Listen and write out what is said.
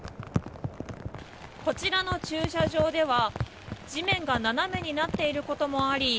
こちらの駐車場では地面が斜めになっていることもあり